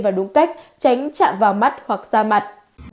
và đúng cách tránh chạm vào mắt hoặc da mặt